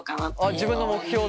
自分の目標で？